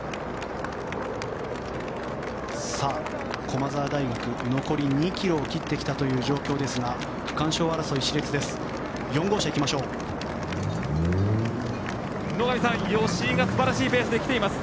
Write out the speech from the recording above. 駒澤大学、残り２ｋｍを切ってきたというところですが区間賞争い、熾烈です。